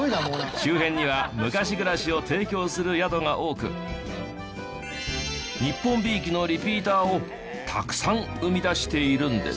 周辺には昔暮らしを提供する宿が多く日本びいきのリピーターをたくさん生み出しているんです。